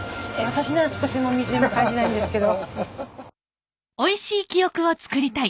私には少しもみじんも感じないんですけど。